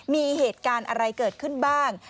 มีเหตุการณ์อะไรเกิดขึ้นบ้าง